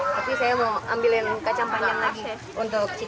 tapi saya mau ambil yang kacang panjang lagi untuk cipta